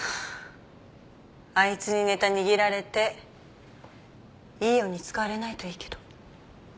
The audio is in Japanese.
あいつにネタ握られていいように使われないといいけど。